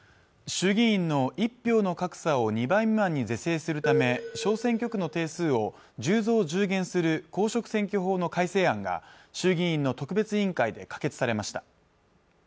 衆議院の１票の格差を２倍未満に是正するため小選挙区の定数を１０増１０減する公職選挙法の改正案が衆議院の特別委員会で可決されました